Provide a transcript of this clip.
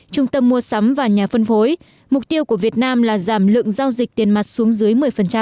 trung tâm mua sắm và nhà phân phối mục tiêu của việt nam là giảm lượng giao dịch tiền mặt xuống dưới một mươi